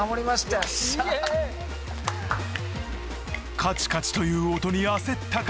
カチカチという音に焦ったか？